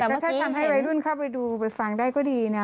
แล้วถ้าทำให้วัยรุ่นเข้าไปดูไปฟังได้ก็ดีนะ